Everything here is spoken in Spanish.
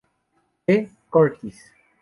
E. Curtis.